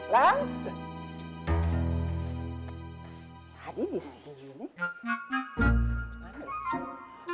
saat dia disini nih